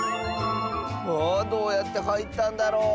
あどうやってはいったんだろう。